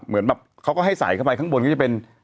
เหมือนแบบเขาก็ให้ใส่เข้าไปข้างบนก็จะเป็น